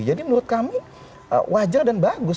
jadi menurut kami wajar dan bagus